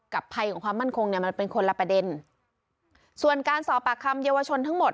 ภัยของความมั่นคงเนี่ยมันเป็นคนละประเด็นส่วนการสอบปากคำเยาวชนทั้งหมด